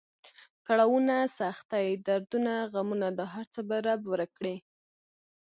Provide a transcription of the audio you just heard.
کړاونه، سختۍ، دردونه، غمونه دا هر څه به رب ورک کړي.